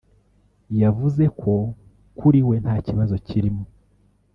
yavuze ko kuri we nta kibazo kirimo